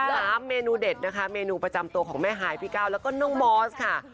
สามเมนูเด็ดนะคะเมนูประจำตัวของแม่ฮายพี่ก้าวแล้วก็น้องมอสค่ะ